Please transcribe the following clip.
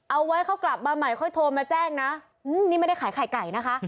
เอาไว้เขากลับมาใหม่ค่อยโทรมาแจ้งนะนี่ไม่ได้ขายไข่ไก่นะคะ